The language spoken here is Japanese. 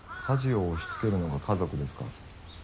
家事を押しつけるのが家族ですか？